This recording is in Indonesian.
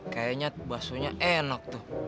kayaknya basonya enak tuh